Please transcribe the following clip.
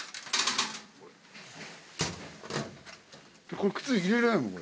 これ靴入れられないもん。